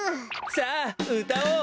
さあうたおう！